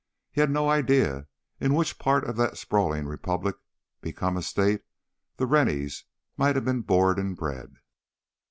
He had no idea in which part of that sprawling republic become a state the Rennies might have been born and bred.